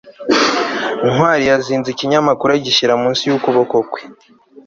ntwali yazinze ikinyamakuru agishyira munsi y'ukuboko kwe